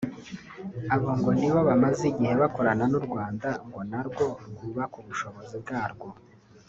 Abo ngo nibo bamaze igihe bakorana n’u Rwanda ngo narwo rwubake ubushobozi bwarwo